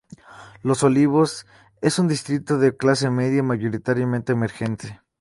Los Olivos es un distrito de clase media, mayoritariamente emergente.